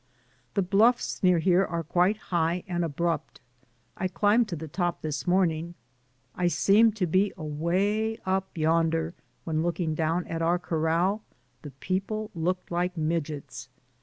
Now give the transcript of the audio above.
The bluffs near here are quite high and abrupt. I climbed to the top this morning. I seemed to be away up yonder, when look ing down at our corral the people looked like midgets.